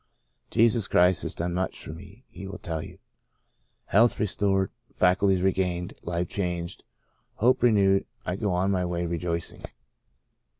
"Jesus Christ has done much for me/' he will tell you. Health restored, faculties regained, life changed, hope renewed I go on my way rejoicing.